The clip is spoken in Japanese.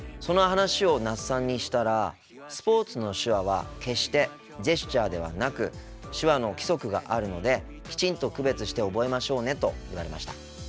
その話を那須さんにしたら「スポーツの手話は決してジェスチャーではなく手話の規則があるのできちんと区別して覚えましょうね」と言われました。